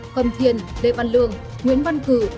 cầm thiền lê văn lương nguyễn văn cử